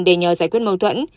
để nhờ giải quyết mâu thuẫn